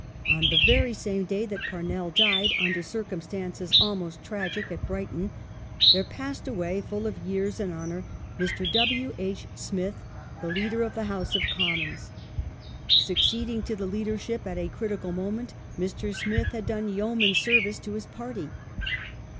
On the very same day that Pamell died, underj regime circumstances almost tragic, at Brighton, there passed away, full yeai s and honour, Mr. W. H. Smith, the Leader of the House oi Commons. Succeeding to the leadership at a critical moment MrJ Smith had done yeoman service to his party.